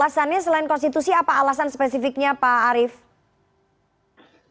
alasannya selain konstitusi apa alasan spesifiknya pak arief